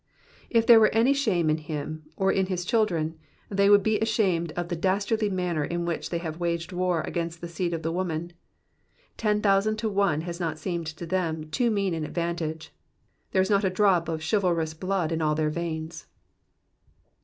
If there were any shame in him, or in his children, they would be ashamed of the das tardly manner in which they have waged war against the seed of the woman. Ten thousand to one has not seemed to them too mean an advantage ; there is not a drop of chivalrous blood in all their veins.